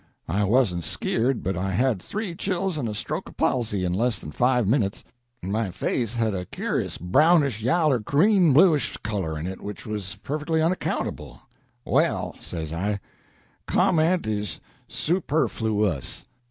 I wasn't skeered, but I had three chills and a stroke of palsy in less than five minits, and my face had a cur'us brownish yaller greenbluish color in it, which was perfectly unaccountable. 'Well,' say I, 'comment is super flu ous.'"